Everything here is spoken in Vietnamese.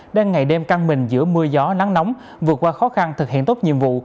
đang ngày đêm căng mình giữa mưa gió nắng nóng vượt qua khó khăn thực hiện tốt nhiệm vụ